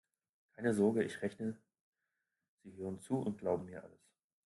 Keine Sorge: Ich rechne, Sie hören zu und glauben mir alles.